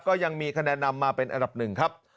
ก็ยังมีคะแนนนำมาเป็นอันดับหนึ่งครับ